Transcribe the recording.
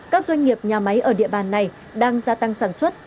các doanh nghiệp nhà máy ở địa bàn này đang gia tăng sản xuất